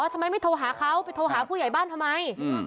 ทำไมไม่โทรหาเขาไปโทรหาผู้ใหญ่บ้านทำไม